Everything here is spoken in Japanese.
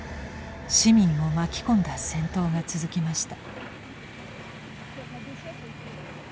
市民を巻き込んだ戦闘が続きました。